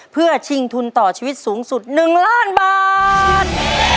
เพื่อชิงทุนต่อชีวิตสูงสุด๑ล้านบาท